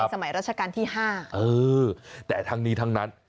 รัชกาลที่๕เออแต่ทั้งนี้ทั้งนั้น